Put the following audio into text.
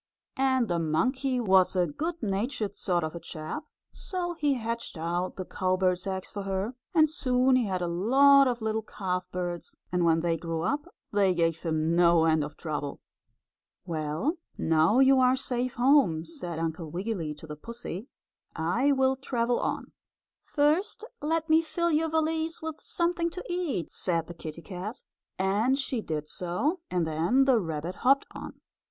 And the monkey was a good natured sort of a chap, so he hatched out the cowbird's eggs for her, and soon he had a lot of little calfbirds, and when they grew up they gave him no end of trouble. "Well, now you are safe home," said Uncle Wiggily to the pussy, "I will travel on." "First, let me fill your valise with something to eat," said the kittie cat, and she did so, and then the rabbit hopped on.